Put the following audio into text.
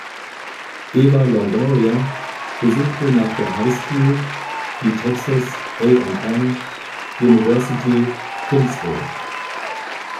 Eva Longoria besuchte nach der High School die Texas A&M University-Kingsville.